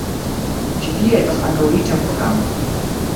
Ĉi tie estas ankaŭ riĉa programo.